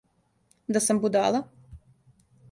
Да сам будала?